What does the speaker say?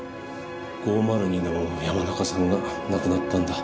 ５０２の山中さんが亡くなったんだ。